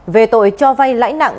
về tội cho vay lãnh nặng